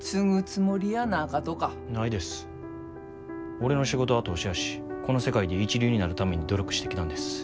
俺の仕事は投資やしこの世界で一流になるために努力してきたんです。